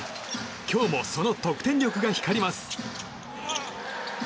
今日もその得点力が光ります。